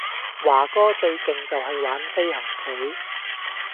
華哥最勁就係玩飛行棋